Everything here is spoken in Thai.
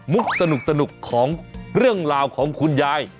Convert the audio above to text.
สนุกของเรื่องราวของคุณยาย